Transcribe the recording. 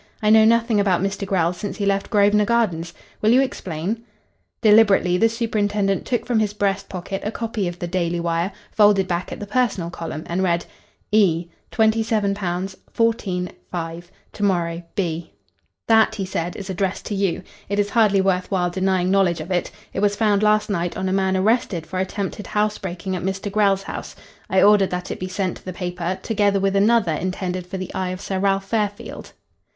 I know nothing about Mr. Grell since he left Grosvenor Gardens. Will you explain?" Deliberately the superintendent took from his breast pocket a copy of the Daily Wire, folded back at the personal column, and read: "E. £27.14.5. To morrow. B." "That," he said, "is addressed to you. It is hardly worth while denying knowledge of it. It was found last night on a man arrested for attempted housebreaking at Mr. Grell's house. I ordered that it be sent to the paper, together with another intended for the eye of Sir Ralph Fairfield."